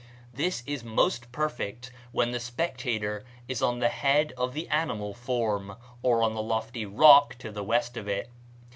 This is most perfect when the spectator is on the head of the animal form, or on the lofty rock to the west of it.